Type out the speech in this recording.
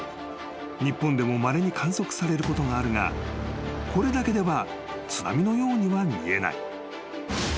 ［日本でもまれに観測されることがあるがこれだけでは津波のようには見えない］